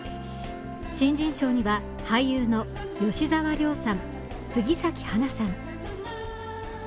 新人賞には俳優の吉沢亮さん、杉咲花さん。